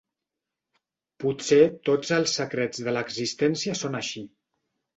Potser tots els secrets de l'existència són així.